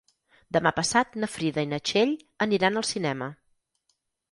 Demà passat na Frida i na Txell aniran al cinema.